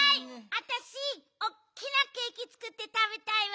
あたしおっきなケーキつくってたべたいわ！